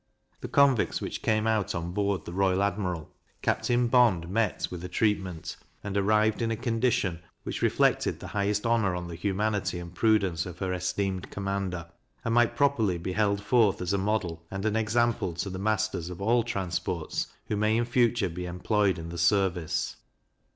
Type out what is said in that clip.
The convicts which came out on board the Royal Admiral, Captain Bond, met with a treatment, and arrived in a condition, which reflected the highest honour on the humanity and prudence of her esteemed commander, and might be properly held forth as a model and an example to the masters of all transports who may in future be employed in the service.